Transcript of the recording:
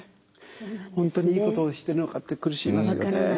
本当にいいことをしてるのかって苦しみますよね。